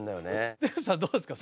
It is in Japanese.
出口さんどうですか？